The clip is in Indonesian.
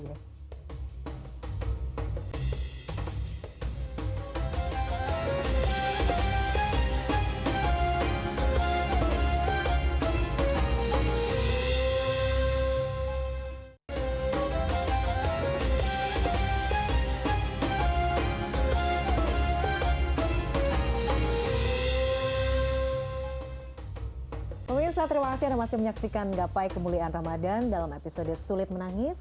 pemirsa terima kasih sudah masih menyaksikan gapai kemuliaan ramadan dalam episode sulit menangis